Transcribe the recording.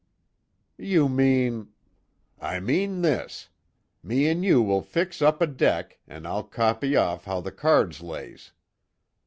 "You mean " "I mean this. Me an' you will fix up a deck, an' I'll copy off how the cards lays.